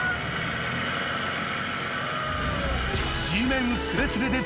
［地面すれすれで］